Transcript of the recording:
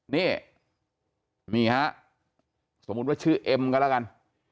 นี่นี่ฮะสมมุติว่าชื่อเอ็มกันแล้วกัน